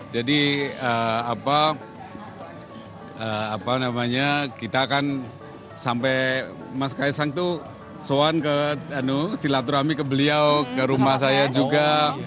jadi apa namanya kita kan sampai mas kaisang tuh soan ke silaturahmi ke beliau ke rumah saya juga